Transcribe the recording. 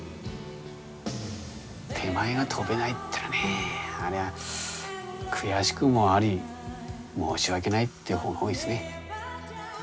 手前が飛べないっていうのはねありゃ悔しくもあり申し訳ないっていう方が多いですね。